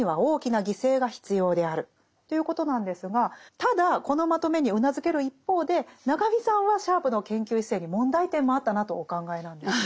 ただこのまとめにうなずける一方で中見さんはシャープの研究姿勢に問題点もあったなとお考えなんですよね。